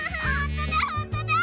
ほんとだ